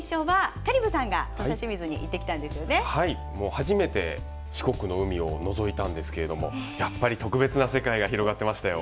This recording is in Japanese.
初めて四国の海をのぞいたんですけれどもやっぱり特別な世界が広がってましたよ。